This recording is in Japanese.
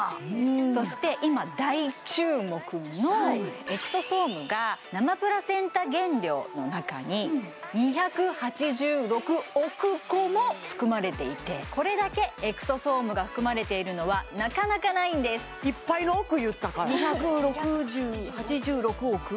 そして今大注目のエクソソームが生プラセンタ原料の中に２８６億個も含まれていてこれだけエクソソームが含まれているのはなかなかないんですいっぱいの億言ったから２６０８６億？